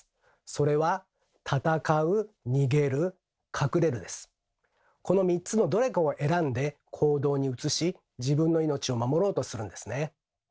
それはこの３つのどれかを選んで行動に移し自分の命を守ろうとするんですね。